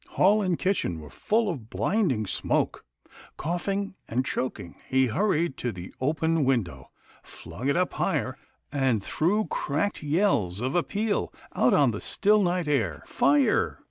Hall and kitchen were full of blinding smoke. Cough ing and choking, he hurried to the open window, flung it up higher, and threw cracked yells of appeal out on the still night air, " Fire